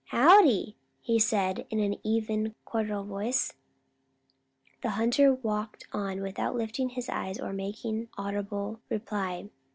"Howdy!" he said in an even cordial voice. The hunter walked on without lifting his eyes or making audible reply.